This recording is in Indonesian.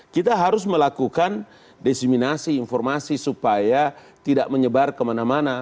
kita harus melakukan desiminasi informasi supaya tidak menyebar kemana mana